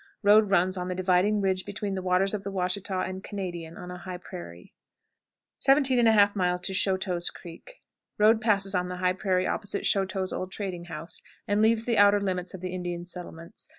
Road runs on the dividing ridge between the waters of the Washita and Canadian, on a high prairie. 17 1/2. Choteau's Creek. Road passes on the high prairie opposite Choteau's old trading house, and leaves the outer limits of the Indian settlements.